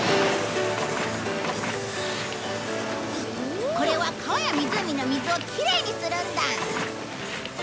これは川や湖の水をきれいにするんだ！